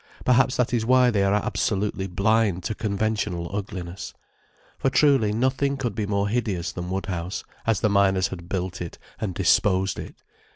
Perhaps that is why they are absolutely blind to conventional ugliness. For truly nothing could be more hideous than Woodhouse, as the miners had built it and disposed it.